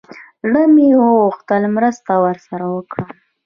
زړه مې وغوښتل مرسته ورسره وکړم.